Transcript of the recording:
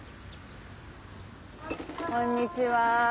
こんにちは